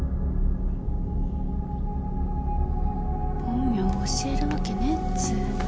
本名教えるわけねえっつうの。